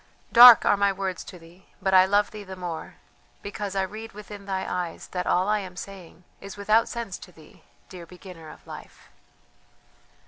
Dark are my words to thee, but I love thee the more, because I read within thy eyes that all I am saying is without sense to thee, dear beginner of Life."